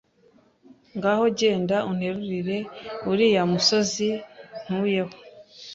Ngaho genda unterurire uriya musozi ntuyeho